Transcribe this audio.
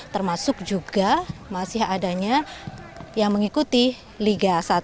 termasuk juga masih adanya yang mengikuti liga satu